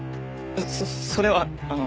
そそれはあの。